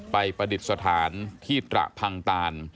ประดิษฐานที่ตระพังตาล